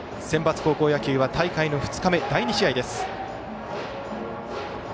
センバツ高校野球は大会の２日目第２試合です。